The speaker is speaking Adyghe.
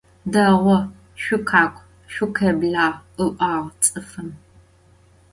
Değu, şsukhak'u, şsukhêblağ, – ı'uağ ts'ıfım.